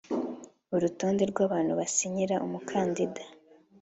Urutonde rw’abantu basinyira umukandida